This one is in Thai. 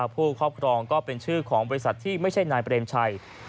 ผู้ครอบครองก็เป็นชื่อของบริษัทที่ไม่ใช่นายเปรมชัย